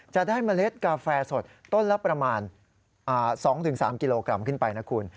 จะได้เมล็ดกาแฟสดต้นละประมาณ๒๓กิโลกรัมขึ้นไปนะคุณ